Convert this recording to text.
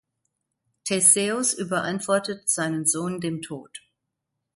Theseus überantwortet seinen Sohn dem Tod.